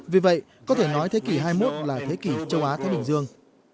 vì vậy có thể nói thế kỷ hai mươi một là thế kỷ châu á thái bình dương